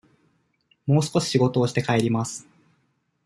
もう少し仕事をして、帰ります。